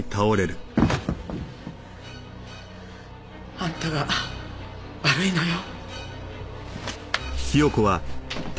あんたが悪いのよ。